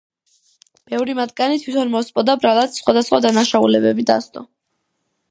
ბევრი მათგანი თვითონ მოსპო და ბრალად სხვადასხვა დანაშაულებები დასდო.